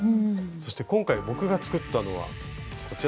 そして今回僕が作ったのはこちらの。